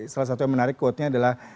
salah satu yang menarik quote nya adalah